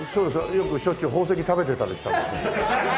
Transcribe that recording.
よくしょっちゅう宝石食べてたりした。